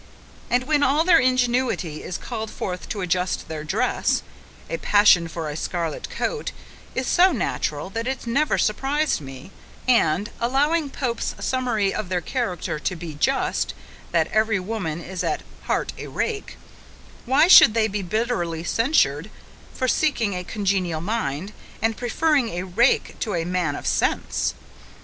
And when all their ingenuity is called forth to adjust their dress, "a passion for a scarlet coat," is so natural, that it never surprised me; and, allowing Pope's summary of their character to be just, "that every woman is at heart a rake," why should they be bitterly censured for seeking a congenial mind, and preferring a rake to a man of sense?